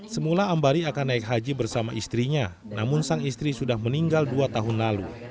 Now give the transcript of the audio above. semula ambari akan naik haji bersama istrinya namun sang istri sudah meninggal dua tahun lalu